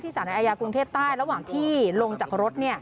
ที่สารัยากรุงเทพท่ายระหว่างที่ลงจากรถ